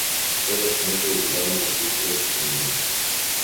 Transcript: Тогаш некој љубоморно се испречи помеѓу нив.